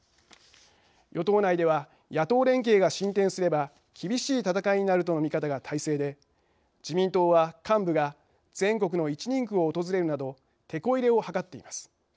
与党内では野党連携が進展すれば厳しい戦いになるとの見方が大勢で自民党は幹部が全国の１人区を訪れるなどテコ入れを図っています。